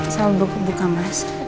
selamat berbuka mas